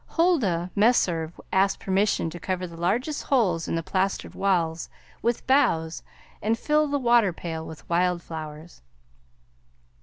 Huldah Meserve asked permission to cover the largest holes in the plastered walls with boughs and fill the water pail with wild flowers.